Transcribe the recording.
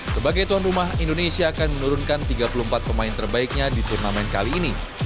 sebagai tuan rumah indonesia akan menurunkan tiga puluh empat pemain terbaiknya di turnamen kali ini